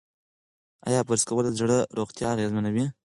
ایا برس کول د زړه روغتیا اغېزمنوي؟